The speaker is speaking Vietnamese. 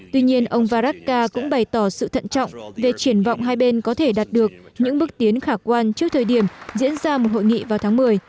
tuy nhiên ông varadkar cũng bày tỏ sự thận trọng về triển vọng hai bên có thể đạt được những bước tiến khả quan trước thời điểm diễn ra một hội nghị vào tháng một mươi